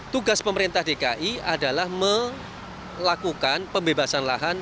tugas pemerintah dki adalah melakukan pembebasan lahan